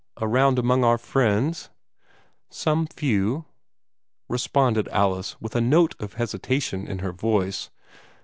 Around among our friends?" "Some few," responded Alice, with a note of hesitation in her voice.